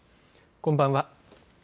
こんばんは。